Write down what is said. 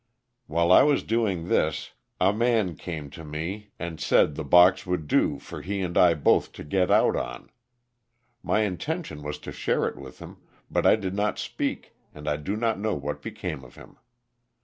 While I was doing this a man came to me and 29 226 LOSS OF THE SULTANA. said the box would do for he and I both to get out on. My intention was to share it with him, but I did not speak and I do not know what became of him.